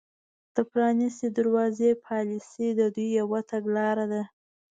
د پرانیستې دروازې پالیسي د دوی یوه تګلاره ده